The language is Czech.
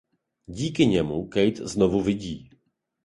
Díky němu Keith znovu vidí.